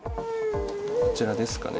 こちらですかね。